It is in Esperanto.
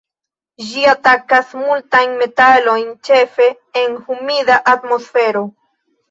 Ĝi atakas multajn metalojn ĉefe en humida atmosfero.